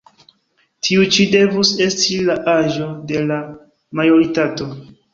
Tiu ĉi devus esti la aĝo de la majoritato».